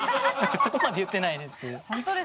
そこまで言ってないです。